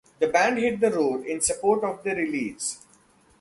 The band hit the road in support of the release.